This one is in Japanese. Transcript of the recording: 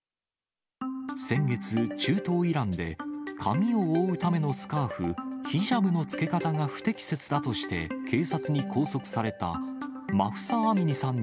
先月、中東・イランで髪を覆うためのスカーフ、ヒジャブのつけ方が不適切だとして警察に拘束されたマフサ・アミニさん